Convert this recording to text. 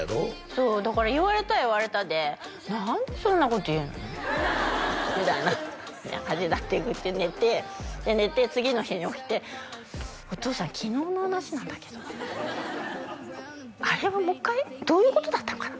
そうだから言われたら言われたで何でそんなこと言うの？みたいなって感じになって寝て次の日に起きて「お父さん昨日の話なんだけど」「あれはもう一回」「どういうことだったのかな？」